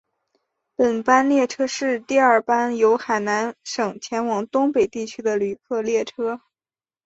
本班列车是第二班由海南省前往东北地区的旅客列车。